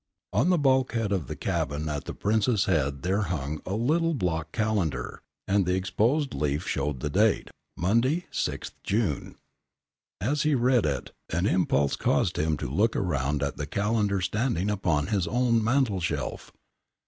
On the bulkhead of the cabin at the Prince's head there hung a little block calendar, and the exposed leaf showed the date, Monday, 6th June. As he read it an impulse caused him to look round at the calendar standing upon his own mantel shelf.